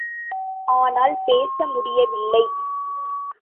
ஆனால், பேச முடியவில்லை.